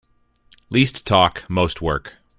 Least talk most work.